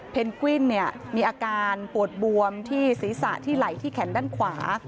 กวิ้นมีอาการปวดบวมที่ศีรษะที่ไหล่ที่แขนด้านขวา